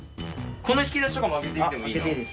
この引き出しとかも開けてみてもいいの？